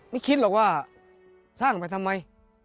ไม่คิดหรอกว่าสร้างไปทำไม